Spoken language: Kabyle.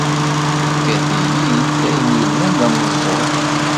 Ikad-iyi-d d ayen yellan d ameẓẓul.